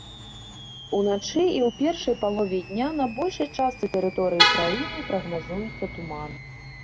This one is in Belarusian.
Уначы і ў першай палове дня на большай частцы тэрыторыі краіны прагназуецца туман.